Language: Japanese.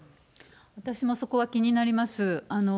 私もそこは気になります。